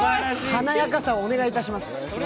華やかさをお願いします。